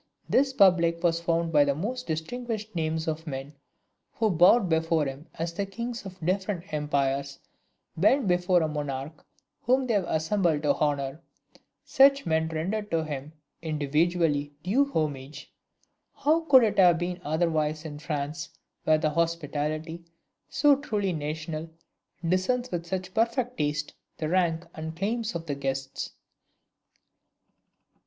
This public was formed of the most distinguished names of men, who bowed before him as the kings of different empires bend before a monarch whom they have assembled to honor. Such men rendered to him, individually, due homage. How could it have been otherwise in France, where the hospitality, so truly national, discerns with such perfect taste the rank and claims of the guests?